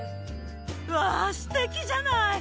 わー、すてきじゃない。